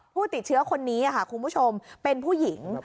ผู้ติดเชื้อคนนี้ค่ะคุณผู้ชมเป็นผู้หญิง